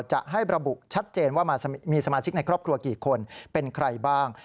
จะให้ระบุชัดเจนว่ามีสมาชิกในครอบครัวกี่คนเป็นใครบ้าง